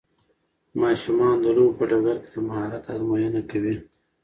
ماشومان د لوبو په ډګر کې د مهارت ازموینه کوي.